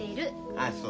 あっそう。